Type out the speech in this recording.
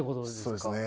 そうですね。